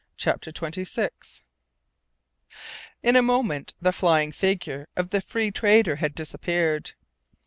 CHAPTER TWENTY SIX In a moment the flying figure of the Free Trader had disappeared.